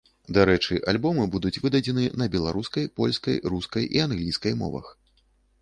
Дарэчы, альбомы будуць выдадзены на беларускай, польскай, рускай і англійскай мовах.